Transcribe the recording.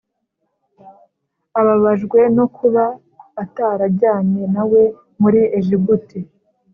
ababajwe nokuba atarajyanye nawe muri ejibuti